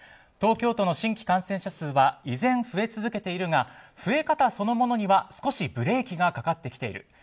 東京都の新規感染者数は依然増え続けているが増え方そのものには少しブレーキがかかってきている。